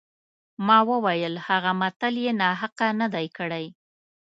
ما وویل هغه متل یې ناحقه نه دی کړی.